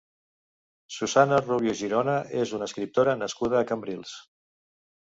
Susana Rubio Girona és una escriptora nascuda a Cambrils.